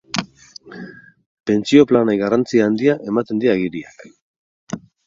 Pentsio planei garrantzia handia ematen die agiriak.